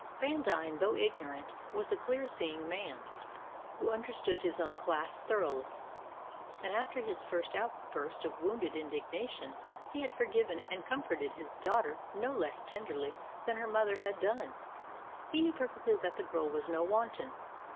Vandine, though ignorant, was a clear seeing man, who understood his own class thoroughly; and after his first outburst of wounded indignation he had forgiven and comforted his daughter no less tenderly than her mother had done. He knew perfectly that the girl was no wanton.